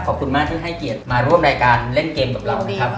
ขอบคุณมากที่ให้เกียรติมาร่วมรายการเล่นเกมกับเรานะครับ